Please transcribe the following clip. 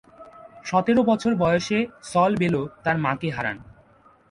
সতেরো বছর বয়সে সল বেলো তার মাকে হারান।